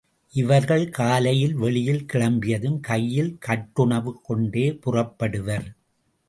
இவர்கள் காலையில் வெளியில் கிளம்பியதும் கையில் கட்டுணவு கொண்டே புறப்படுவர்.